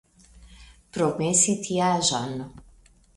Promesi tiaĵon !